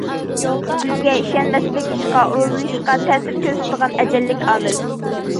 ئۆزىگە ئىشەنمەسلىك ئىشقا ئورۇنلىشىشقا تەسىر كۆرسىتىدىغان ئەجەللىك ئامىل.